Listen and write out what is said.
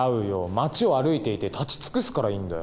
町を歩いていて立ち尽くすからいいんだよ。